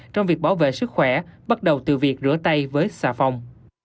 trong việc bảo vệ sức khỏe bắt đầu từ việc rửa tay với xà phòng